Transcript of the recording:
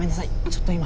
ちょっと今？